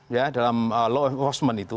ya dalam law enforcement itu